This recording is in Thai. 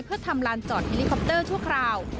เพื่อทำลานจอดเฮลิคอปเตอร์ชั่วคราว